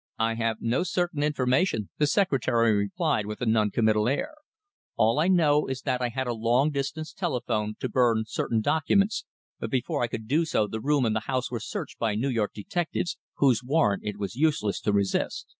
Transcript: "I have no certain information," the secretary replied, with a noncommittal air. "All I know is that I had a long distance telephone to burn certain documents, but before I could do so the room and the house were searched by New York detectives, whose warrant it was useless to resist."